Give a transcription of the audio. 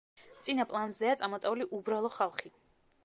წინა პლანზეა წამოწეული უბრალო ხალხი.